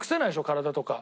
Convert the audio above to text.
体とか。